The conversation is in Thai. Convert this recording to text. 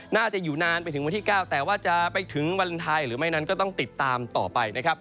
น่าจะอยู่นานไปถึงวันที่๙แต่ว่าจะไปถึงวาเลนไทยหรือไม่นั้นก็ต้องติดตามต่อไปนะครับ